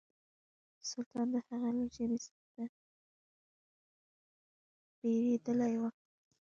سلطان د هغه له ژبې څخه سخت بېرېدلی و.